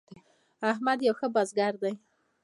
احمد یو ښه بزګر دی.